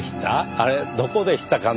あれどこでしたかね？